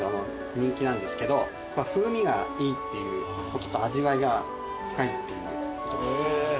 人気なんですけど風味がいいっていうことと味わいが深いっていうこと。